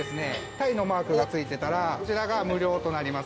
鯛のマークが付いてたらこちらが無料となります。